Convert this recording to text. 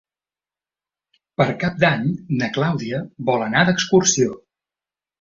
Per Cap d'Any na Clàudia vol anar d'excursió.